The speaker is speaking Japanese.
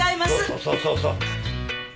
そうそうそうそう。